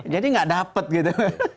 jadi nggak dapet gitu